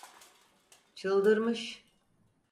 Çıldırmış!